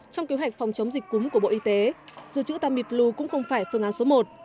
trong kế hoạch phòng chống dịch cúm của bộ y tế dự trữ tamiflu cũng không phải phương án số một